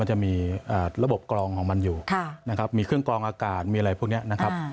จะมีระบบกรองของมันอยู่นะครับมีเครื่องกรองอากาศมีอะไรพวกนี้นะครับ